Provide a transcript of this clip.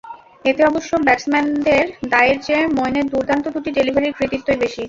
এতে অবশ্য ব্যাটসম্যানদের দায়ের চেয়ে মঈনের দুর্দান্ত দুটি ডেলিভারির কৃতিত্বই বেশি।